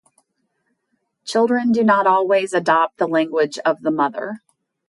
Children do not always adopt the language of the mother.